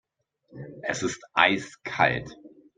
Es ist eiskalt.